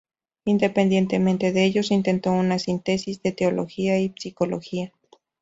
Independientemente de ellos intentó una síntesis de teología y psicología.